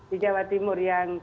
di jawa timur yang